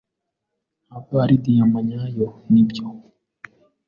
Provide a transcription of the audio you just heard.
Ntabwo ari diyama nyayo, nibyo?